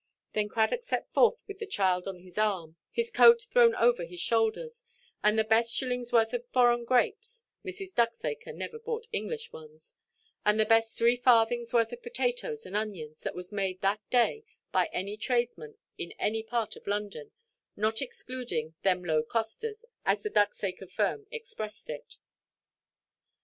Then Cradock set forth with the child on his arm, his coat thrown over his shoulders, and the best shillingʼs worth of foreign grapes—Mrs. Ducksacre never bought English ones—and the best three farthingʼs worth of potatoes and onions that was made that day by any tradesman in any part of London, not excluding "them low costers," as the Ducksacre firm expressed it.